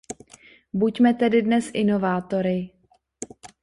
Buďme tedy dnes inovátory.